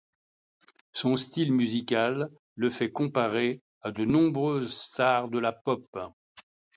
Son style musical le fait comparer à de nombreuses stars de la pop.